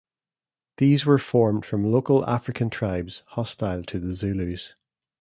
These were formed from local African tribes hostile to the Zulus.